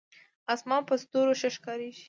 اسمان په ستورو ښه ښکارېږي.